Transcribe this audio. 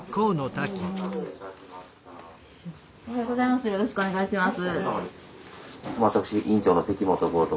おはようございます。